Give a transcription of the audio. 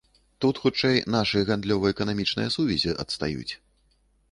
Тут, хутчэй, нашы гандлёва-эканамічныя сувязі адстаюць.